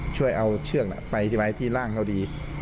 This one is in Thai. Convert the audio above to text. ช่วยเอาเชือกไปที่ไว้ที่ร่างเขาดี